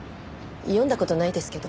読んだ事ないですけど。